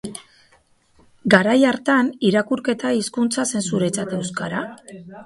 Garai hartan, irakurketa-hizkuntza zen zuretzat euskara?